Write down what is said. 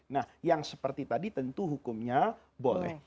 nah yang seperti tadi tentu hukumnya boleh